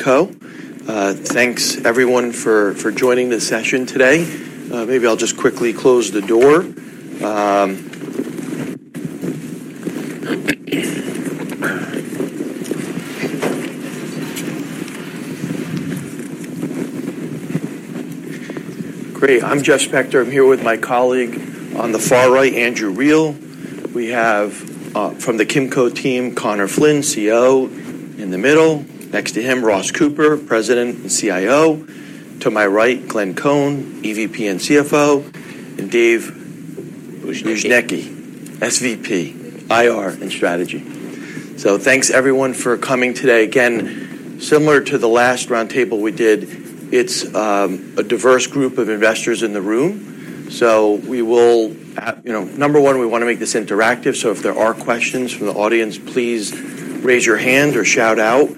Kimco, thanks everyone for joining the session today. Maybe I'll just quickly close the door. Great. I'm Jeff Spector. I'm here with my colleague on the far right, Andrew Reale. We have, from the Kimco team, Conor Flynn, CEO, in the middle. Next to him, Ross Cooper, President and CIO. To my right, Glenn Cohen, EVP and CFO, and Dave Bujnicki, SVP, IR and Strategy. So thanks everyone for coming today. Again, similar to the last roundtable we did, it's a diverse group of investors in the room. So we will, number one, we want to make this interactive. So if there are questions from the audience, please raise your hand or shout out.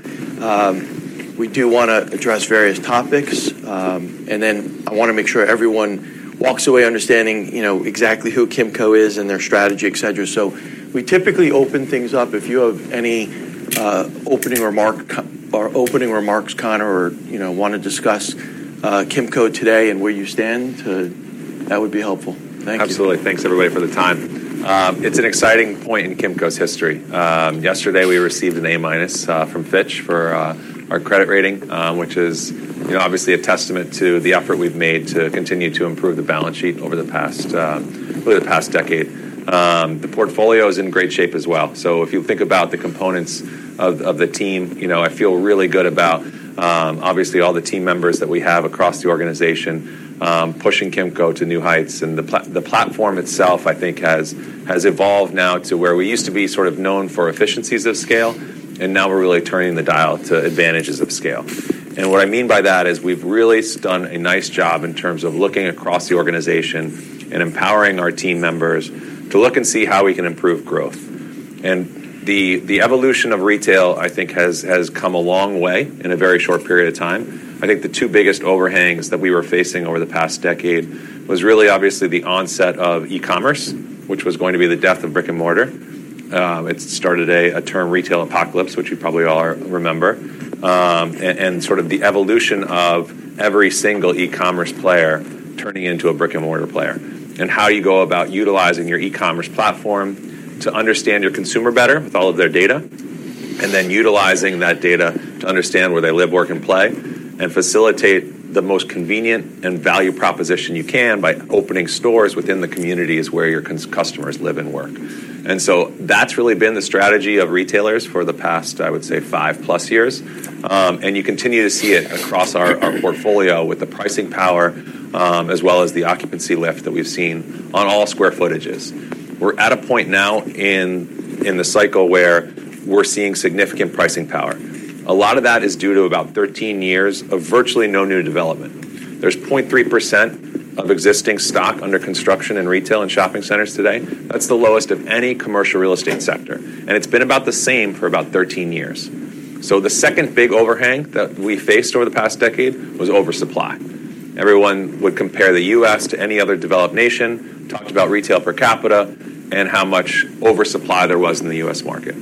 We do want to address various topics. And then I want to make sure everyone walks away understanding exactly who Kimco is and their strategy, etc. So we typically open things up. If you have any opening remarks, Conor, or want to discuss Kimco today and where you stand, that would be helpful. Thank you. Absolutely. Thanks everybody for the time.It's an exciting point in Kimco's history. Yesterday, we received an A-minus from Fitch for our credit rating, which is obviously a testament to the effort we've made to continue to improve the balance sheet over the past, really the past decade. The portfolio is in great shape as well. So if you think about the components of the team, I feel really good about, obviously, all the team members that we have across the organization pushing Kimco to new heights, and the platform itself, I think, has evolved now to where we used to be sort of known for efficiencies of scale, and now we're really turning the dial to advantages of scale. What I mean by that is we've really done a nice job in terms of looking across the organization and empowering our team members to look and see how we can improve growth. The evolution of retail, I think, has come a long way in a very short period of time. I think the two biggest overhangs that we were facing over the past decade was really, obviously, the onset of e-commerce, which was going to be the death of brick and mortar. It started a term retail apocalypse, which you probably all remember. Sort of the evolution of every single e-commerce player turning into a brick and mortar player. How you go about utilizing your e-commerce platform to understand your consumer better with all of their data, and then utilizing that data to understand where they live, work, and play, and facilitate the most convenient and value proposition you can by opening stores within the communities where your customers live and work. So that's really been the strategy of retailers for the past, I would say, five-plus years. You continue to see it across our portfolio with the pricing power as well as the occupancy lift that we've seen on all square footages. We're at a point now in the cycle where we're seeing significant pricing power. A lot of that is due to about 13 years of virtually no new development. There's 0.3% of existing stock under construction in retail and shopping centers today. That's the lowest of any commercial real estate sector. And it's been about the same for about 13 years. So the second big overhang that we faced over the past decade was oversupply. Everyone would compare the U.S. to any other developed nation, talked about retail per capita, and how much oversupply there was in the U.S. market.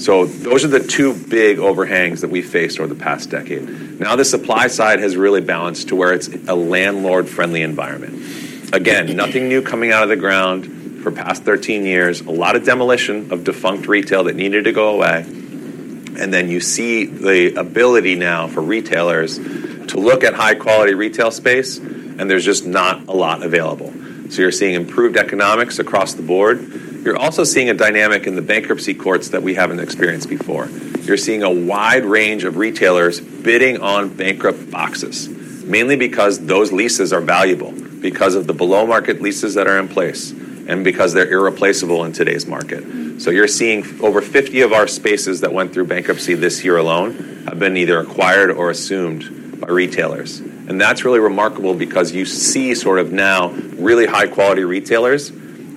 So those are the two big overhangs that we faced over the past decade. Now the supply side has really balanced to where it's a landlord-friendly environment. Again, nothing new coming out of the ground for the past 13 years. A lot of demolition of defunct retail that needed to go away. And then you see the ability now for retailers to look at high-quality retail space, and there's just not a lot available. So you're seeing improved economics across the board. You're also seeing a dynamic in the bankruptcy courts that we haven't experienced before. You're seeing a wide range of retailers bidding on bankrupt boxes, mainly because those leases are valuable, because of the below-market leases that are in place, and because they're irreplaceable in today's market. So you're seeing over 50 of our spaces that went through bankruptcy this year alone have been either acquired or assumed by retailers. And that's really remarkable because you see sort of now really high-quality retailers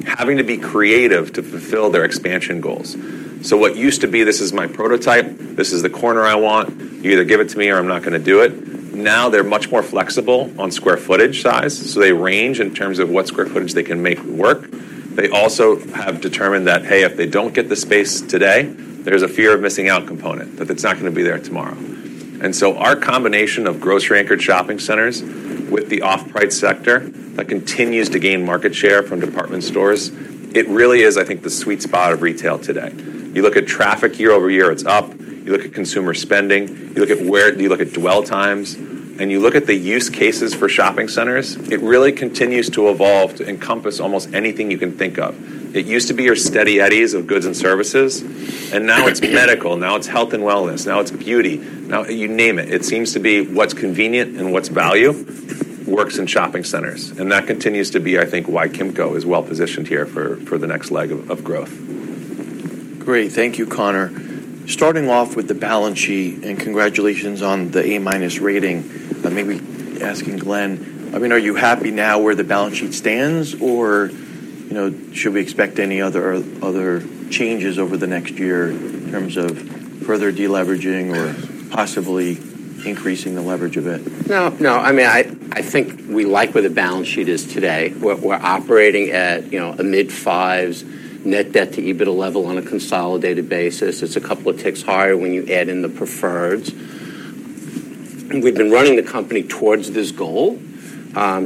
having to be creative to fulfill their expansion goals. So what used to be, "This is my prototype. This is the corner I want. You either give it to me or I'm not going to do it." Now they're much more flexible on square footage size. So they range in terms of what square footage they can make work. They also have determined that, "Hey, if they don't get the space today, there's a fear of missing out component, that it's not going to be there tomorrow," and so our combination of grocery-anchored shopping centers with the off-price sector that continues to gain market share from department stores, it really is, I think, the sweet spot of retail today. You look at traffic year over year, it's up. You look at consumer spending. You look at dwell times, and you look at the use cases for shopping centers, it really continues to evolve to encompass almost anything you can think of. It used to be your Steady Eddies of goods and services, and now it's medical. Now it's health and wellness. Now it's beauty. Now you name it. It seems to be what's convenient and what's value works in shopping centers. That continues to be, I think, why Kimco is well positioned here for the next leg of growth. Great. Thank you, Conor. Starting off with the balance sheet, and congratulations on the A-minus rating. Maybe asking Glenn, I mean, are you happy now where the balance sheet stands, or should we expect any other changes over the next year in terms of further deleveraging or possibly increasing the leverage of it? No, no. I mean, I think we like where the balance sheet is today. We're operating at a mid-fives net debt to EBITDA level on a consolidated basis. It's a couple of ticks higher when you add in the preferreds. We've been running the company towards this goal.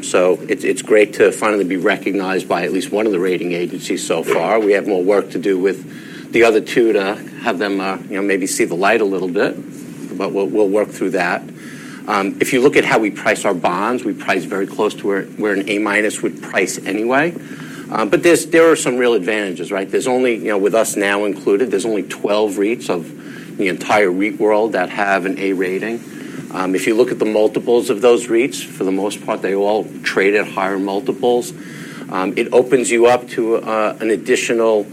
So it's great to finally be recognized by at least one of the rating agencies so far. We have more work to do with the other two to have them maybe see the light a little bit. But we'll work through that. If you look at how we price our bonds, we price very close to where an A-minus would price anyway. But there are some real advantages, right? With us now included, there's only 12 REITs of the entire REIT world that have an A rating. If you look at the multiples of those REITs, for the most part, they all trade at higher multiples. It opens you up to an additional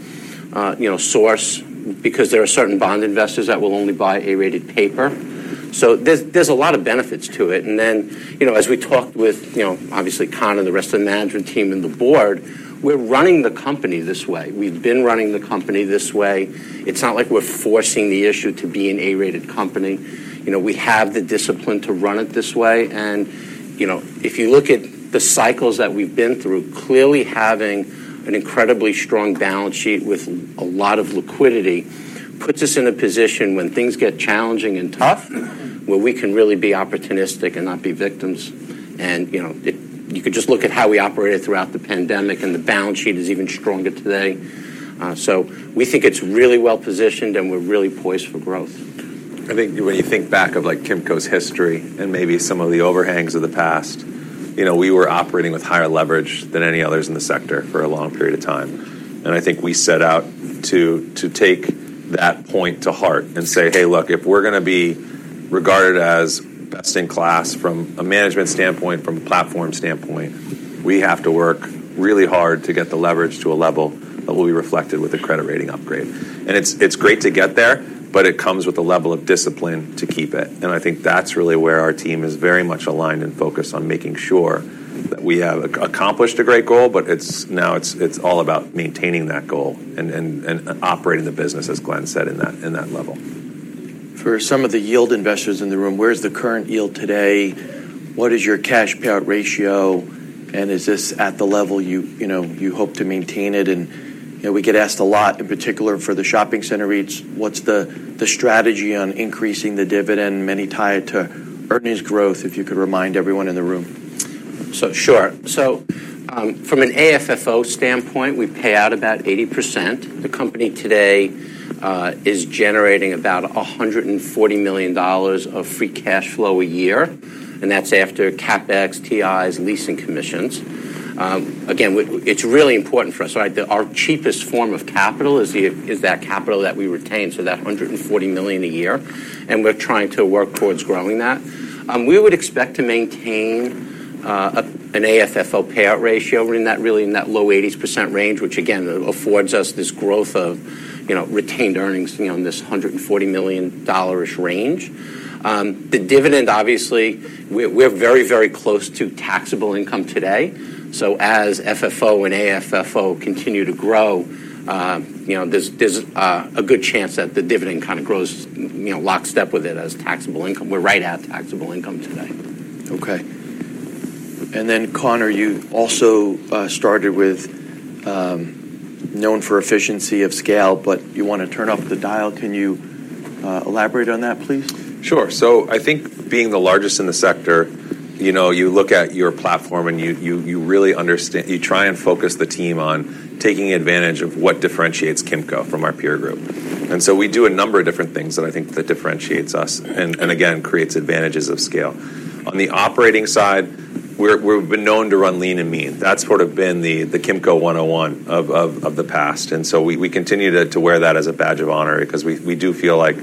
source because there are certain bond investors that will only buy A-rated paper. So there's a lot of benefits to it. And then as we talked with, obviously, Conor, the rest of the management team and the board, we're running the company this way. We've been running the company this way. It's not like we're forcing the issue to be an A-rated company. We have the discipline to run it this way. And if you look at the cycles that we've been through, clearly having an incredibly strong balance sheet with a lot of liquidity puts us in a position when things get challenging and tough where we can really be opportunistic and not be victims. You could just look at how we operated throughout the pandemic, and the balance sheet is even stronger today. We think it's really well positioned, and we're really poised for growth. I think when you think back of Kimco's history and maybe some of the overhangs of the past, we were operating with higher leverage than any others in the sector for a long period of time. And I think we set out to take that point to heart and say, "Hey, look, if we're going to be regarded as best in class from a management standpoint, from a platform standpoint, we have to work really hard to get the leverage to a level that will be reflected with a credit rating upgrade." And it's great to get there, but it comes with a level of discipline to keep it. And I think that's really where our team is very much aligned and focused on making sure that we have accomplished a great goal, but now it's all about maintaining that goal and operating the business, as Glenn said, in that level. For some of the yield investors in the room, where's the current yield today? What is your cash payout ratio? And is this at the level you hope to maintain it? And we get asked a lot, in particular for the shopping center REITs, what's the strategy on increasing the dividend? Many tie it to earnings growth, if you could remind everyone in the room. Sure. So from an AFFO standpoint, we pay out about 80%. The company today is generating about $140 million of free cash flow a year, and that's after CapEx, TIs, leasing commissions. Again, it's really important for us. Our cheapest form of capital is that capital that we retain, so that $140 million a year, and we're trying to work towards growing that. We would expect to maintain an AFFO payout ratio. We're really in that low 80% range, which, again, affords us this growth of retained earnings in this $140 million-ish range. The dividend, obviously, we're very, very close to taxable income today, so as FFO and AFFO continue to grow, there's a good chance that the dividend kind of grows lockstep with it as taxable income. We're right at taxable income today. Okay. And then, Conor, you also started with known for efficiency of scale, but you want to turn up the dial. Can you elaborate on that, please? Sure, so I think being the largest in the sector, you look at your platform and you really understand, you try and focus the team on taking advantage of what differentiates Kimco from our peer group. And so we do a number of different things that I think differentiates us and, again, creates advantages of scale. On the operating side, we've been known to run lean and mean. That's sort of been the Kimco 101 of the past. And so we continue to wear that as a badge of honor because we do feel like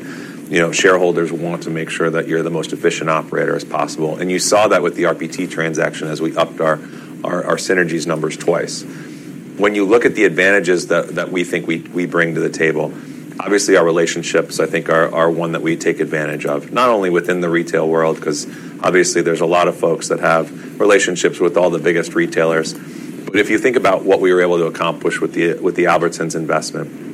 shareholders want to make sure that you're the most efficient operator as possible. And you saw that with the RPT transaction as we upped our synergies numbers twice. When you look at the advantages that we think we bring to the table, obviously, our relationships, I think, are one that we take advantage of, not only within the retail world because, obviously, there's a lot of folks that have relationships with all the biggest retailers, but if you think about what we were able to accomplish with the Albertsons investment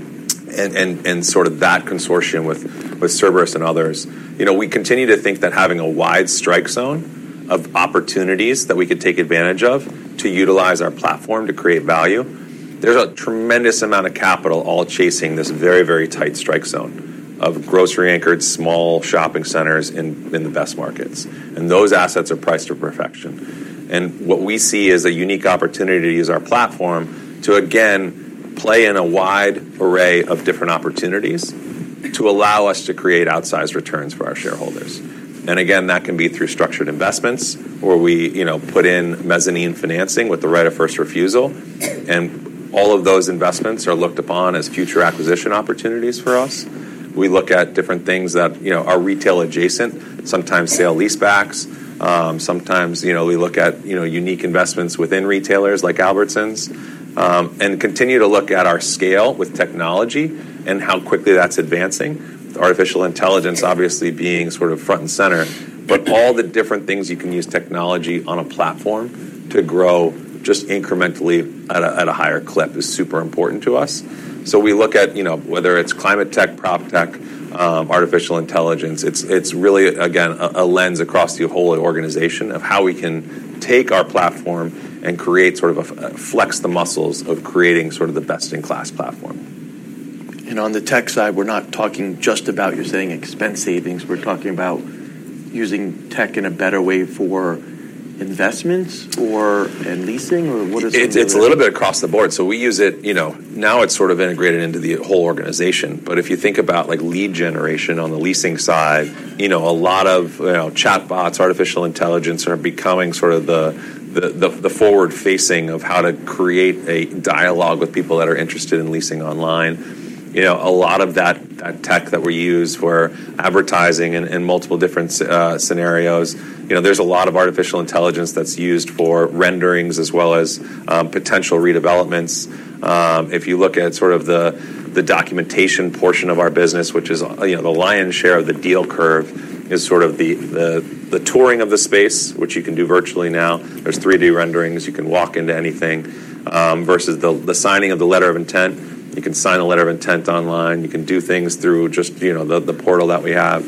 and sort of that consortium with Cerberus and others. We continue to think that having a wide strike zone of opportunities that we could take advantage of to utilize our platform to create value. There's a tremendous amount of capital all chasing this very, very tight strike zone of grocery-anchored, small shopping centers in the best markets, and those assets are priced to perfection. And what we see is a unique opportunity to use our platform to, again, play in a wide array of different opportunities to allow us to create outsized returns for our shareholders. And again, that can be through structured investments where we put in mezzanine financing with the right of first refusal. And all of those investments are looked upon as future acquisition opportunities for us. We look at different things that are retail-adjacent, sometimes sale leasebacks. Sometimes we look at unique investments within retailers like Albertsons and continue to look at our scale with technology and how quickly that's advancing. Artificial intelligence, obviously, being sort of front and center. But all the different things you can use technology on a platform to grow just incrementally at a higher clip is super important to us. So we look at whether it's climate tech, PropTech, artificial intelligence. It's really, again, a lens across the whole organization of how we can take our platform and create sort of flex the muscles of creating sort of the best-in-class platform. And on the tech side, we're not talking just about, you're saying, expense savings. We're talking about using tech in a better way for investments and leasing, or what does that mean? It's a little bit across the board, so we use it now. It's sort of integrated into the whole organization, but if you think about lead generation on the leasing side, a lot of chatbots, artificial intelligence are becoming sort of the forward-facing of how to create a dialogue with people that are interested in leasing online. A lot of that tech that we use for advertising and multiple different scenarios, there's a lot of artificial intelligence that's used for renderings as well as potential redevelopments. If you look at sort of the documentation portion of our business, which is the lion's share of the deal flow, is sort of the touring of the space, which you can do virtually now. There's 3D renderings. You can walk into anything versus the signing of the letter of intent. You can sign a letter of intent online. You can do things through just the portal that we have,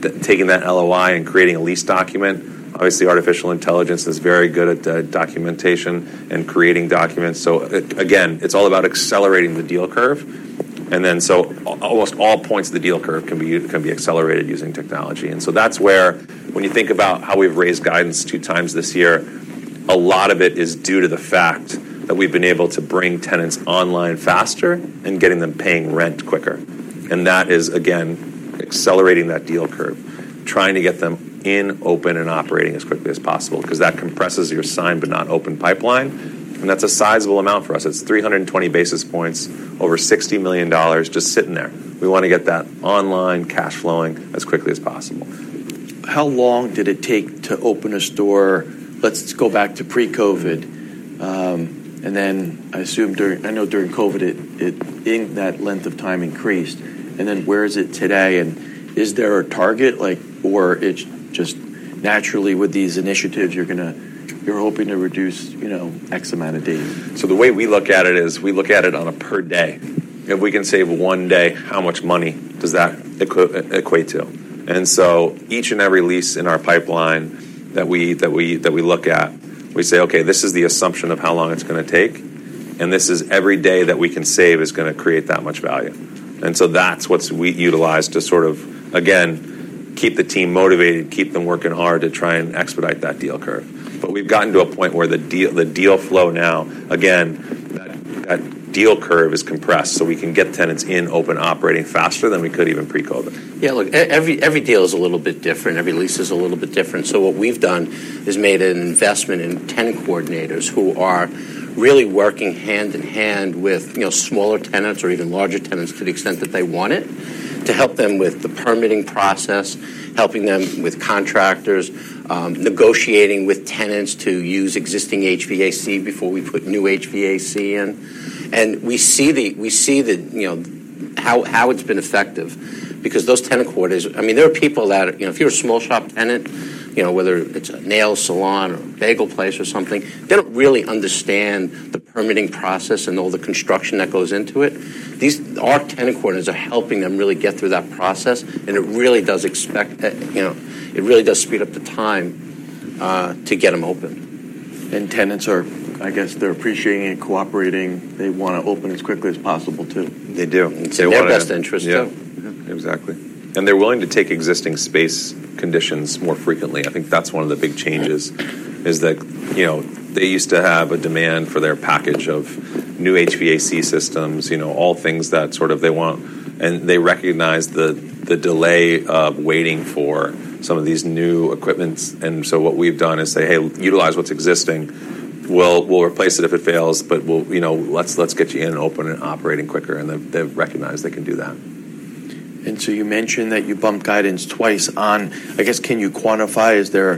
taking that LOI and creating a lease document. Obviously, artificial intelligence is very good at documentation and creating documents. So again, it's all about accelerating the deal curve. And then so almost all points of the deal curve can be accelerated using technology. And so that's where when you think about how we've raised guidance two times this year, a lot of it is due to the fact that we've been able to bring tenants online faster and getting them paying rent quicker. And that is, again, accelerating that deal curve, trying to get them in, open, and operating as quickly as possible because that compresses your signed but not open pipeline. And that's a sizable amount for us. It's 320 basis points over $60 million just sitting there. We want to get that online, cash flowing as quickly as possible. How long did it take to open a store? Let's go back to pre-COVID. And then I assume during, I know, during COVID, that length of time increased. And then where is it today? And is there a target, or it's just naturally with these initiatives, you're hoping to reduce X amount of days? So the way we look at it is we look at it on a per day. If we can save one day, how much money does that equate to? And so each and every lease in our pipeline that we look at, we say, "Okay, this is the assumption of how long it's going to take. And this is every day that we can save is going to create that much value." And so that's what we utilize to sort of, again, keep the team motivated, keep them working hard to try and expedite that deal curve. But we've gotten to a point where the deal flow now, again, that deal curve is compressed so we can get tenants in, open, operating faster than we could even pre-COVID. Yeah, look, every deal is a little bit different. Every lease is a little bit different. So what we've done is made an investment in tenant coordinators who are really working hand in hand with smaller tenants or even larger tenants to the extent that they want it to help them with the permitting process, helping them with contractors, negotiating with tenants to use existing HVAC before we put new HVAC in. And we see how it's been effective because those tenant coordinators, I mean, there are people that if you're a small shop tenant, whether it's a nail salon or a bagel place or something, they don't really understand the permitting process and all the construction that goes into it. These tenant coordinators are helping them really get through that process. And it really does expedite it really does speed up the time to get them open. Tenants, I guess they're appreciating and cooperating. They want to open as quickly as possible too. They do. It's in their best interest too. Exactly. And they're willing to take existing space conditions more frequently. I think that's one of the big changes is that they used to have a demand for their package of new HVAC systems, all things that sort of they want. And they recognize the delay of waiting for some of these new equipment. And so what we've done is say, "Hey, utilize what's existing. We'll replace it if it fails, but let's get you in and open and operating quicker." And they recognize they can do that. And so you mentioned that you bumped guidance twice on, I guess. Can you quantify? Is there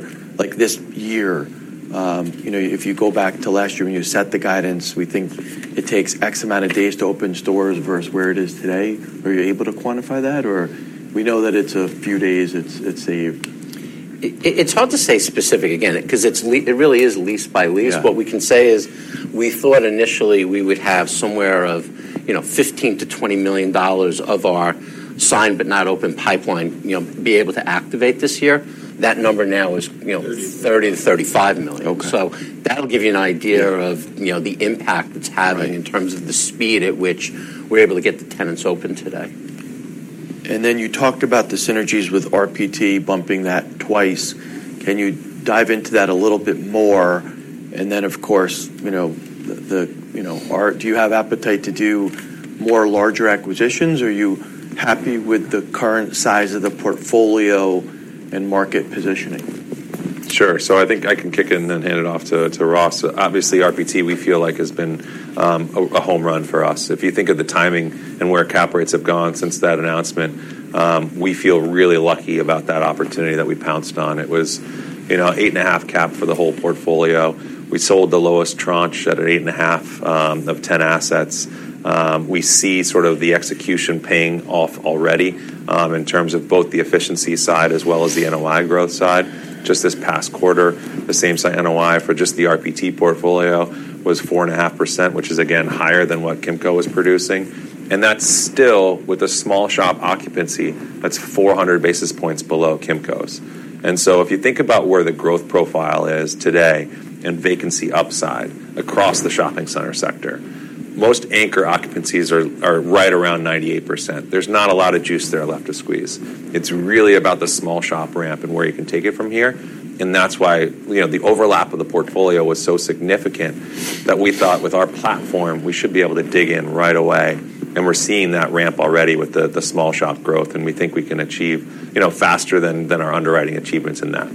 this year, if you go back to last year when you set the guidance, we think it takes X amount of days to open stores versus where it is today. Are you able to quantify that? Or we know that it's a few days. It's a. It's hard to say specific, again, because it really is lease by lease. What we can say is we thought initially we would have somewhere of $15-$20 million of our signed but not open pipeline be able to activate this year. That number now is $30-$35 million. So that'll give you an idea of the impact it's having in terms of the speed at which we're able to get the tenants open today. And then you talked about the synergies with RPT bumping that twice. Can you dive into that a little bit more? And then, of course, do you have appetite to do more larger acquisitions? Are you happy with the current size of the portfolio and market positioning? Sure. So I think I can kick in and hand it off to Ross. Obviously, RPT, we feel like has been a home run for us. If you think of the timing and where cap rates have gone since that announcement, we feel really lucky about that opportunity that we pounced on. It was an 8.5 cap for the whole portfolio. We sold the lowest tranche at an 8.5 of ten assets. We see sort of the execution paying off already in terms of both the efficiency side as well as the NOI growth side. Just this past quarter, the same NOI for just the RPT portfolio was 4.5%, which is, again, higher than what Kimco was producing. And that's still with a small shop occupancy that's 400 basis points below Kimco's. And so, if you think about where the growth profile is today and vacancy upside across the shopping center sector, most anchor occupancies are right around 98%. There's not a lot of juice there left to squeeze. It's really about the small shop ramp and where you can take it from here. And that's why the overlap of the portfolio was so significant that we thought with our platform, we should be able to dig in right away. And we're seeing that ramp already with the small shop growth. And we think we can achieve faster than our underwriting achievements in that.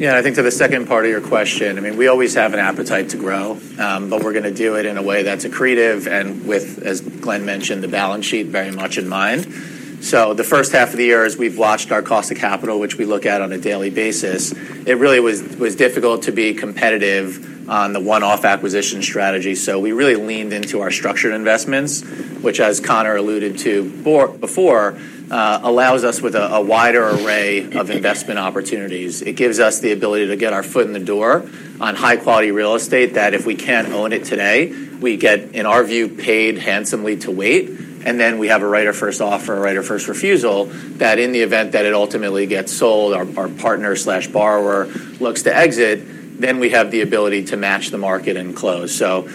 Yeah. And I think to the second part of your question, I mean, we always have an appetite to grow, but we're going to do it in a way that's accretive and with, as Glenn mentioned, the balance sheet very much in mind. So the first half of the year, as we've watched our cost of capital, which we look at on a daily basis, it really was difficult to be competitive on the one-off acquisition strategy. So we really leaned into our structured investments, which, as Conor alluded to before, allows us with a wider array of investment opportunities. It gives us the ability to get our foot in the door on high-quality real estate that if we can't own it today, we get, in our view, paid handsomely to wait. And then we have a right of first offer, a right of first refusal that in the event that it ultimately gets sold, our partner or borrower looks to exit, then we have the ability to match the market and close. So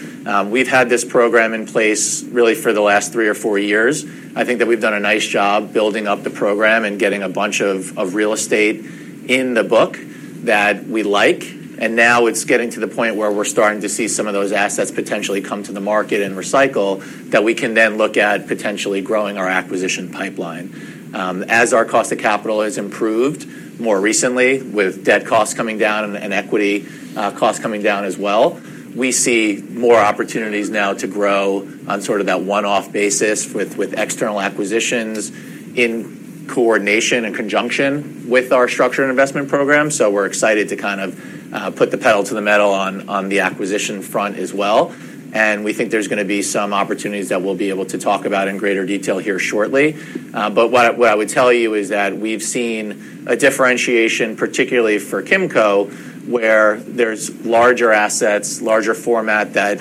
we've had this program in place really for the last three or four years. I think that we've done a nice job building up the program and getting a bunch of real estate in the book that we like. And now it's getting to the point where we're starting to see some of those assets potentially come to the market and recycle, that we can then look at potentially growing our acquisition pipeline. As our cost of capital has improved more recently with debt costs coming down and equity costs coming down as well, we see more opportunities now to grow on sort of that one-off basis with external acquisitions in coordination and conjunction with our structured investment program, so we're excited to kind of put the pedal to the metal on the acquisition front as well, and we think there's going to be some opportunities that we'll be able to talk about in greater detail here shortly, but what I would tell you is that we've seen a differentiation, particularly for Kimco, where there's larger assets, larger format that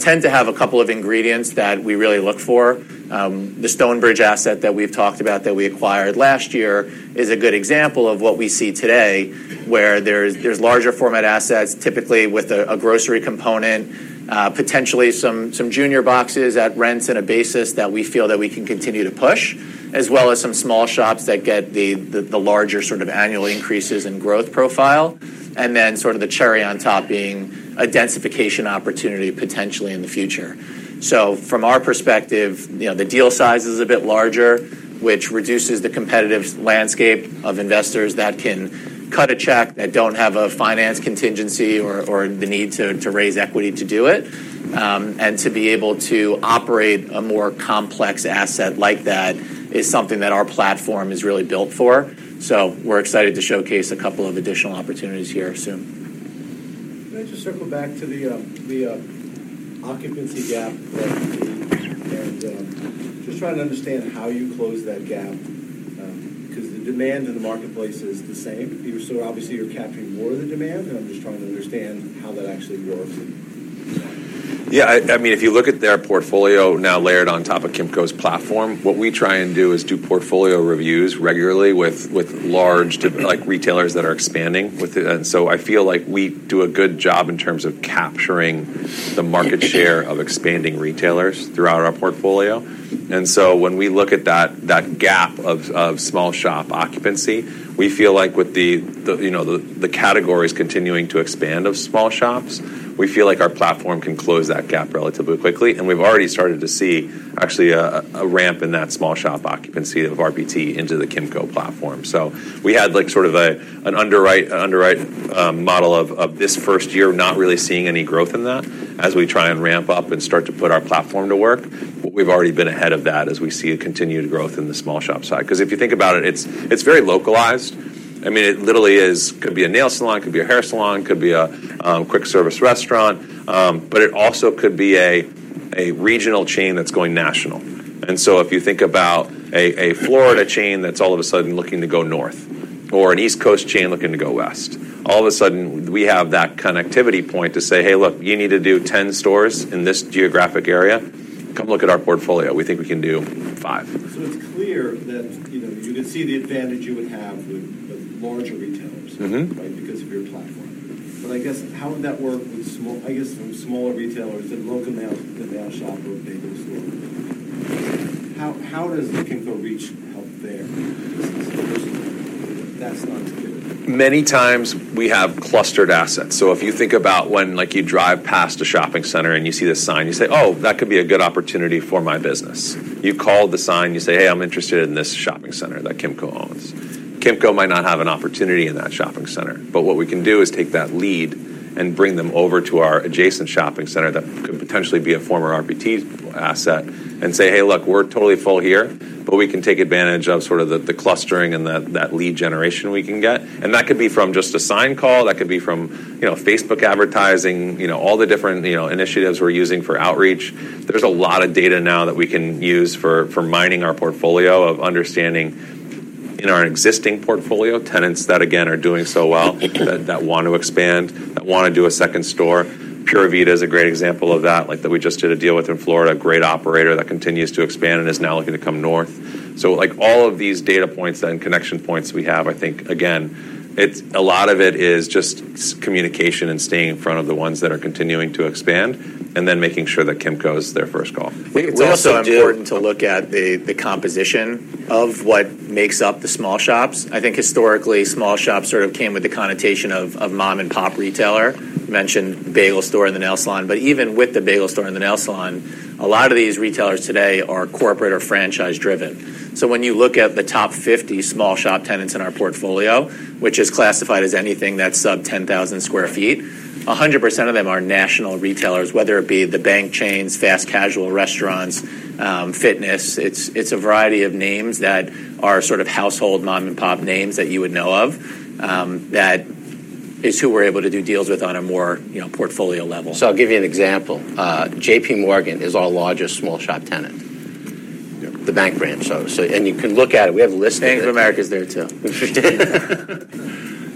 tend to have a couple of ingredients that we really look for. The Stonebridge asset that we've talked about that we acquired last year is a good example of what we see today, where there's larger format assets typically with a grocery component, potentially some junior boxes at rents and a basis that we feel that we can continue to push, as well as some small shops that get the larger sort of annual increases in growth profile. And then sort of the cherry on top being a densification opportunity potentially in the future. So from our perspective, the deal size is a bit larger, which reduces the competitive landscape of investors that can cut a check that don't have a finance contingency or the need to raise equity to do it. And to be able to operate a more complex asset like that is something that our platform is really built for. We're excited to showcase a couple of additional opportunities here soon. Can I just circle back to the occupancy gap? And just trying to understand how you close that gap because the demand in the marketplace is the same. So obviously, you're capturing more of the demand. And I'm just trying to understand how that actually works. Yeah. I mean, if you look at their portfolio now layered on top of Kimco's platform, what we try and do is do portfolio reviews regularly with large retailers that are expanding. And so I feel like we do a good job in terms of capturing the market share of expanding retailers throughout our portfolio. And so when we look at that gap of small shop occupancy, we feel like with the categories continuing to expand of small shops, we feel like our platform can close that gap relatively quickly. And we've already started to see actually a ramp in that small shop occupancy of RPT into the Kimco platform. So we had sort of an underwrite model of this first year not really seeing any growth in that as we try and ramp up and start to put our platform to work. We've already been ahead of that as we see a continued growth in the small shop side. Because if you think about it, it's very localized. I mean, it literally could be a nail salon, could be a hair salon, could be a quick service restaurant, but it also could be a regional chain that's going national. And so if you think about a Florida chain that's all of a sudden looking to go north or an East Coast chain looking to go west, all of a sudden we have that connectivity point to say, "Hey, look, you need to do 10 stores in this geographic area. Come look at our portfolio. We think we can do five. It's clear that you can see the advantage you would have with larger retailers, right, because of your platform. I guess how would that work with, I guess, some smaller retailers and local nail shop or bagel store? How does Kimco reach out there? That's not too good. Many times we have clustered assets. So if you think about when you drive past a shopping center and you see the sign, you say, "Oh, that could be a good opportunity for my business." You call the sign, you say, "Hey, I'm interested in this shopping center that Kimco owns." Kimco might not have an opportunity in that shopping center, but what we can do is take that lead and bring them over to our adjacent shopping center that could potentially be a former RPT asset and say, "Hey, look, we're totally full here, but we can take advantage of sort of the clustering and that lead generation we can get," and that could be from just a sign call. That could be from Facebook advertising, all the different initiatives we're using for outreach. There's a lot of data now that we can use for mining our portfolio of understanding in our existing portfolio tenants that, again, are doing so well that want to expand, that want to do a second store. Pura Vida is a great example of that that we just did a deal with in Florida, a great operator that continues to expand and is now looking to come north, so all of these data points and connection points we have. I think, again, a lot of it is just communication and staying in front of the ones that are continuing to expand and then making sure that Kimco is their first call. It's also important to look at the composition of what makes up the small shops. I think historically, small shops sort of came with the connotation of mom-and-pop retailer. You mentioned bagel store and the nail salon. But even with the bagel store and the nail salon, a lot of these retailers today are corporate or franchise-driven. So when you look at the top 50 small shop tenants in our portfolio, which is classified as anything that's sub 10,000 sq ft, 100% of them are national retailers, whether it be the bank chains, fast casual restaurants, fitness. It's a variety of names that are sort of household mom-and-pop names that you would know of that is who we're able to do deals with on a more portfolio level. So I'll give you an example. JPMorgan is our largest small shop tenant, the bank branch. And you can look at it. We have a listing. Bank of America is there too.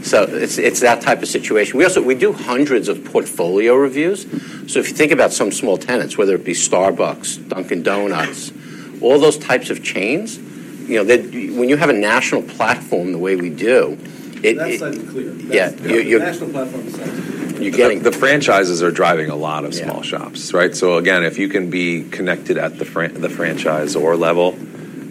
It's that type of situation. We do hundreds of portfolio reviews. If you think about some small tenants, whether it be Starbucks, Dunkin' Donuts, all those types of chains, when you have a national platform the way we do. [Unclear/Garbled] The franchises are driving a lot of small shops, right? So again, if you can be connected at the franchisor level,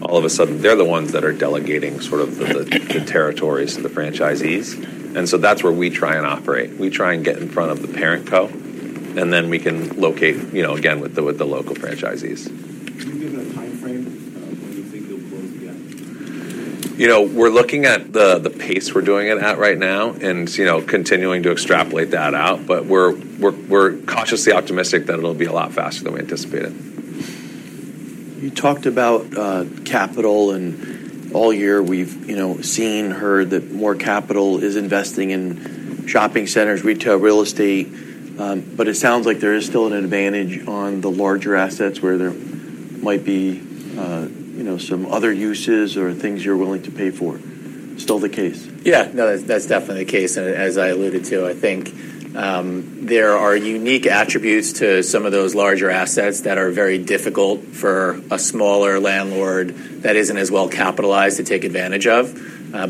all of a sudden they're the ones that are delegating sort of the territories to the franchisees. And so that's where we try and operate. We try and get in front of the parent co, and then we can locate, again, with the local franchisees. Can you give a time frame when you think you'll close again? We're looking at the pace we're doing it at right now and continuing to extrapolate that out. But we're cautiously optimistic that it'll be a lot faster than we anticipated. You talked about capital, and all year we've seen, heard that more capital is investing in shopping centers, retail, real estate. But it sounds like there is still an advantage on the larger assets where there might be some other uses or things you're willing to pay for. Still the case? Yeah. No, that's definitely the case. And as I alluded to, I think there are unique attributes to some of those larger assets that are very difficult for a smaller landlord that isn't as well capitalized to take advantage of.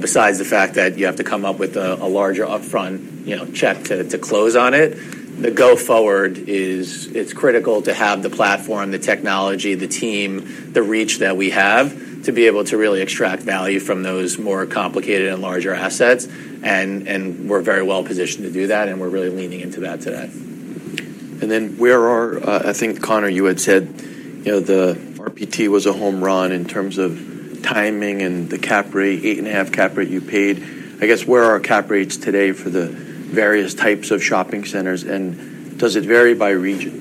Besides the fact that you have to come up with a larger upfront check to close on it, the go-forward is it's critical to have the platform, the technology, the team, the reach that we have to be able to really extract value from those more complicated and larger assets. And we're very well positioned to do that. And we're really leaning into that today. And then where are, I think, Conor, you had said the RPT was a home run in terms of timing and the cap rate, eight and a half cap rate you paid. I guess where are cap rates today for the various types of shopping centers? And does it vary by region?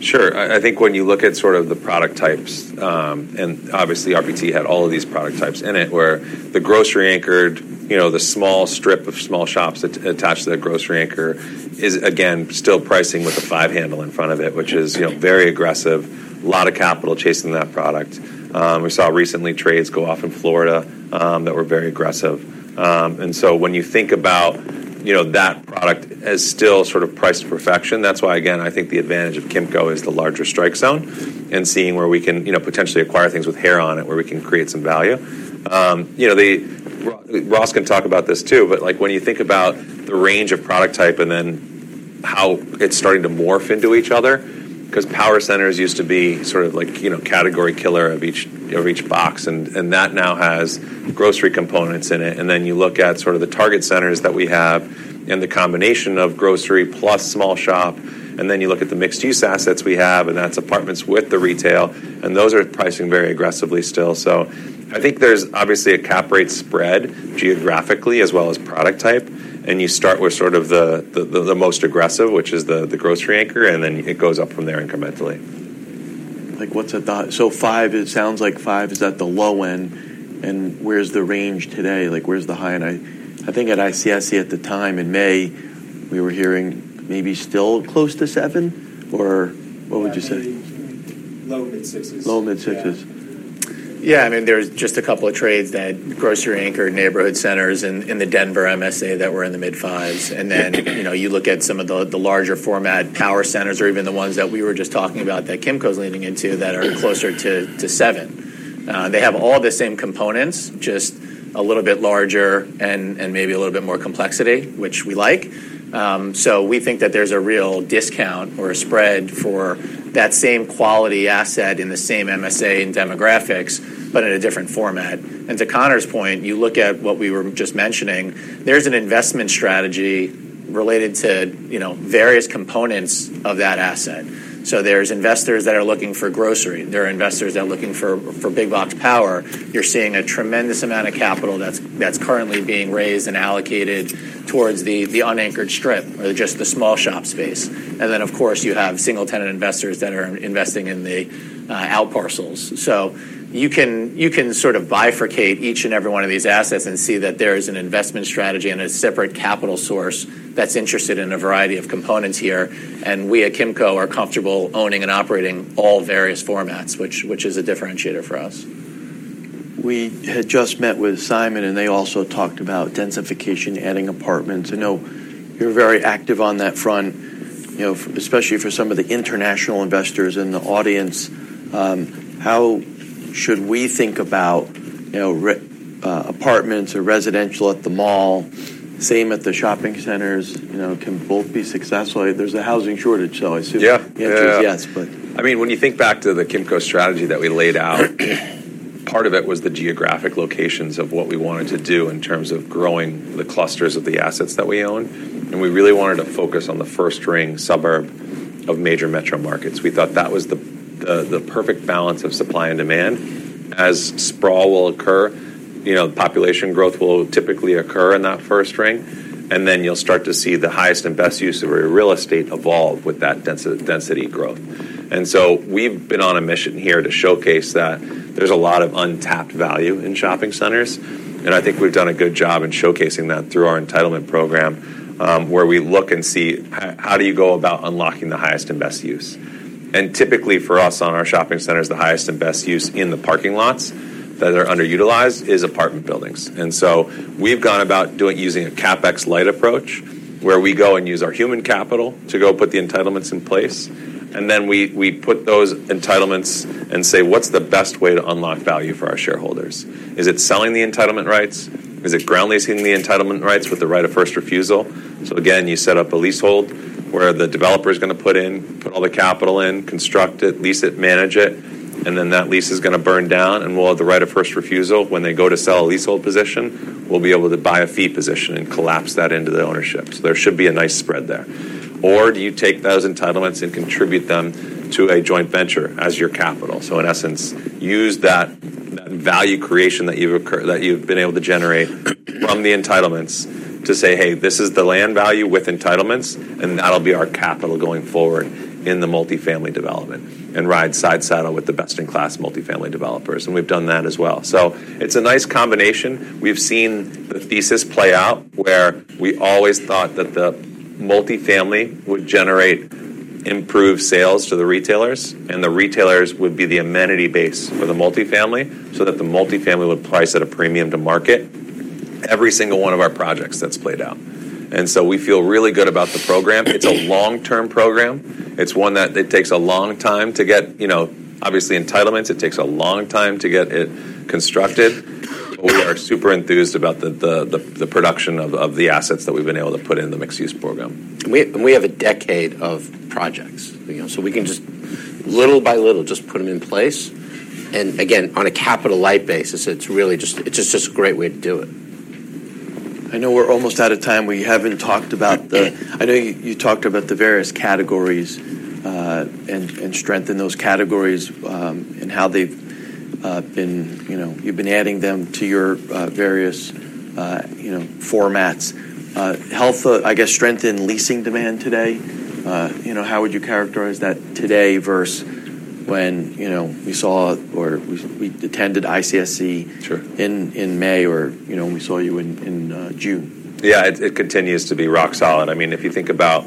Sure. I think when you look at sort of the product types, and obviously RPT had all of these product types in it where the grocery-anchored, the small strip of small shops attached to that grocery anchor is, again, still pricing with a five handle in front of it, which is very aggressive, a lot of capital chasing that product. We saw recently trades go off in Florida that were very aggressive. And so when you think about that product as still sort of priced to perfection, that's why, again, I think the advantage of Kimco is the larger strike zone and seeing where we can potentially acquire things with hair on it where we can create some value. Ross can talk about this too. But when you think about the range of product type and then how it's starting to morph into each other, because power centers used to be sort of category killer of each box. And that now has grocery components in it. And then you look at sort of the Target centers that we have and the combination of grocery plus small shop. And then you look at the mixed-use assets we have, and that's apartments with the retail. And those are pricing very aggressively still. So I think there's obviously a cap rate spread geographically as well as product type. And you start with sort of the most aggressive, which is the grocery anchor, and then it goes up from there incrementally. So five sounds like five is at the low end. And where's the range today? Where's the high end? I think at ICSC at the time in May, we were hearing maybe still close to seven. Or what would you say? Low mid-sixes. Low mid-sixes. Yeah. I mean, there's just a couple of trades that grocery anchored neighborhood centers in the Denver MSA that were in the mid-fives. And then you look at some of the larger format power centers or even the ones that we were just talking about that Kimco is leaning into that are closer to seven. They have all the same components, just a little bit larger and maybe a little bit more complexity, which we like. So we think that there's a real discount or a spread for that same quality asset in the same MSA and demographics, but in a different format. And to Conor's point, you look at what we were just mentioning, there's an investment strategy related to various components of that asset. So there's investors that are looking for grocery. There are investors that are looking for big box power. You're seeing a tremendous amount of capital that's currently being raised and allocated towards the unanchored strip or just the small shop space, and then, of course, you have single-tenant investors that are investing in the outparcels, so you can sort of bifurcate each and every one of these assets and see that there is an investment strategy and a separate capital source that's interested in a variety of components here, and we at Kimco are comfortable owning and operating all various formats, which is a differentiator for us. We had just met with Simon, and they also talked about densification, adding apartments. I know you're very active on that front, especially for some of the international investors in the audience. How should we think about apartments or residential at the mall, same at the shopping centers? Can both be successful? There's a housing shortage, so I assume the answer is yes. Yeah. I mean, when you think back to the Kimco strategy that we laid out, part of it was the geographic locations of what we wanted to do in terms of growing the clusters of the assets that we own, and we really wanted to focus on the first ring suburb of major metro markets. We thought that was the perfect balance of supply and demand. As sprawl will occur, population growth will typically occur in that first ring, and then you'll start to see the highest and best use of real estate evolve with that density growth, and so we've been on a mission here to showcase that there's a lot of untapped value in shopping centers. And I think we've done a good job in showcasing that through our entitlement program where we look and see how do you go about unlocking the highest and best use. Typically for us on our shopping centers, the highest and best use in the parking lots that are underutilized is apartment buildings. And so we've gone about using a CapEx light approach where we go and use our human capital to go put the entitlements in place. And then we put those entitlements and say, "What's the best way to unlock value for our shareholders? Is it selling the entitlement rights? Is it ground leasing the entitlement rights with the right of first refusal?" So again, you set up a leasehold where the developer is going to put in, put all the capital in, construct it, lease it, manage it. And then that lease is going to burn down. And we'll have the right of first refusal when they go to sell a leasehold position, we'll be able to buy a fee position and collapse that into the ownership. So there should be a nice spread there. Or do you take those entitlements and contribute them to a joint venture as your capital? So in essence, use that value creation that you've been able to generate from the entitlements to say, "Hey, this is the land value with entitlements, and that'll be our capital going forward in the multifamily development and ride side saddle with the best-in-class multifamily developers." And we've done that as well. So it's a nice combination. We've seen the thesis play out where we always thought that the multifamily would generate improved sales to the retailers, and the retailers would be the amenity base for the multifamily so that the multifamily would price at a premium to market every single one of our projects that's played out. And so we feel really good about the program. It's a long-term program. It's one that it takes a long time to get, obviously, entitlements. It takes a long time to get it constructed. But we are super enthused about the production of the assets that we've been able to put in the mixed-use program. We have a decade of projects. We can just little by little just put them in place. Again, on a capital-light basis, it's just a great way to do it. I know we're almost out of time. We haven't talked about the. I know you talked about the various categories and strengthen those categories and how you've been adding them to your various formats. Health, I guess, strengthen leasing demand today. How would you characterize that today versus when we saw or we attended ICSC in May or we saw you in June? Yeah. It continues to be rock solid. I mean, if you think about,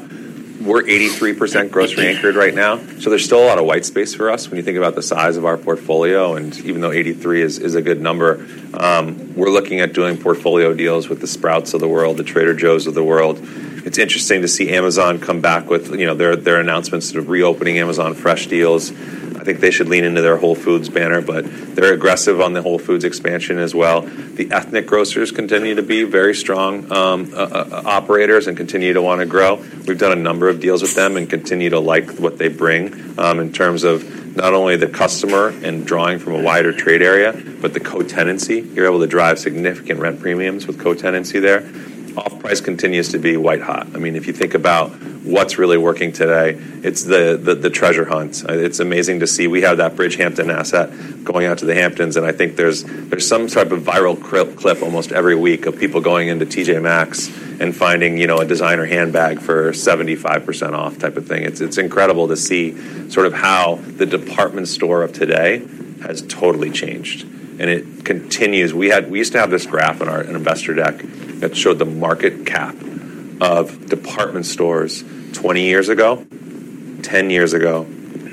we're 83% grocery anchored right now. So there's still a lot of white space for us when you think about the size of our portfolio, and even though 83 is a good number, we're looking at doing portfolio deals with the Sprouts of the world, the Trader Joe's of the world. It's interesting to see Amazon come back with their announcements of reopening Amazon Fresh deals. I think they should lean into their Whole Foods banner, but they're aggressive on the Whole Foods expansion as well. The ethnic grocers continue to be very strong operators and continue to want to grow. We've done a number of deals with them and continue to like what they bring in terms of not only the customer and drawing from a wider trade area, but the co-tenancy. You're able to drive significant rent premiums with co-tenancy there. Off-price continues to be white hot. I mean, if you think about what's really working today, it's the treasure hunt. It's amazing to see we have that Bridgehampton asset going out to the Hamptons, and I think there's some type of viral clip almost every week of people going into T.J. Maxx and finding a designer handbag for 75% off type of thing. It's incredible to see sort of how the department store of today has totally changed, and it continues. We used to have this graph in our investor deck that showed the market cap of department stores 20 years ago, 10 years ago,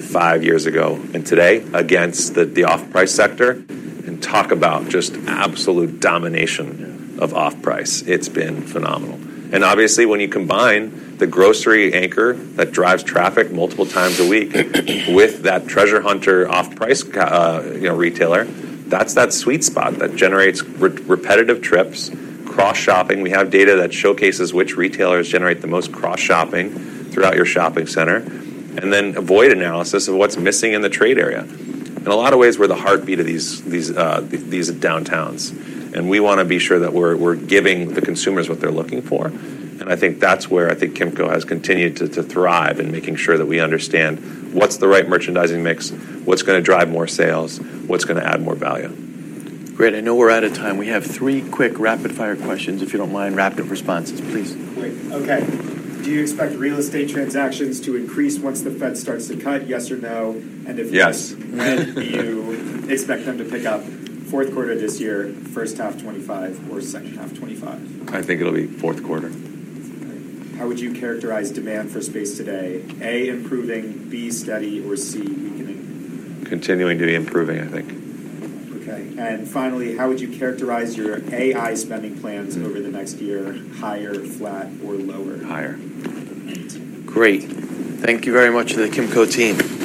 five years ago, and today against the off-price sector, and talk about just absolute domination of off-price. It's been phenomenal. Obviously, when you combine the grocery anchor that drives traffic multiple times a week with that treasure hunter off-price retailer, that's that sweet spot that generates repetitive trips, cross-shopping. We have data that showcases which retailers generate the most cross-shopping throughout your shopping center. And then avoid analysis of what's missing in the trade area. In a lot of ways, we're the heartbeat of these downtowns. And we want to be sure that we're giving the consumers what they're looking for. And I think that's where I think Kimco has continued to thrive in making sure that we understand what's the right merchandising mix, what's going to drive more sales, what's going to add more value. Great. I know we're out of time. We have three quick rapid-fire questions, if you don't mind rapid responses, please. Great. Okay. Do you expect real estate transactions to increase once the Fed starts to cut? Yes or no? And if yes, when do you expect them to pick up? Fourth quarter this year, first half 2025, or second half 2025? I think it'll be fourth quarter. How would you characterize demand for space today? A, improving, B, steady, or C, weakening? Continuing to be improving, I think. Okay. And finally, how would you characterize your AI spending plans over the next year? Higher, flat, or lower? Higher. Great. Thank you very much to the Kimco team.